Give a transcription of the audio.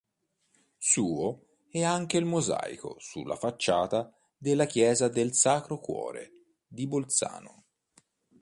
Suo è anche il mosaico sulla facciata della Chiesa del Sacro Cuore di Bolzano.